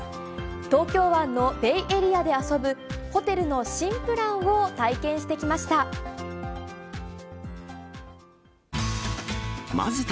東京湾のベイエリアで遊ぶ、ホテルの新プランを体験してきました。